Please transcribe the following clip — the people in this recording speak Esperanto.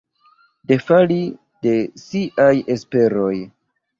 Defali de siaj esperoj.